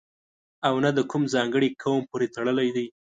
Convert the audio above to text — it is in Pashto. او نه د کوم ځانګړي قوم پورې تړلی دی.